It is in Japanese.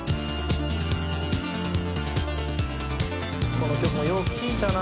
この曲もよう聴いたな。